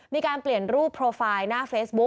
มีการเปลี่ยนรูปโปรไฟล์หน้าเฟซบุ๊ค